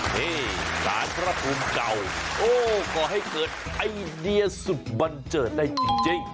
นี่สารพระภูมิเก่าโอ้ก่อให้เกิดไอเดียสุดบันเจิดได้จริง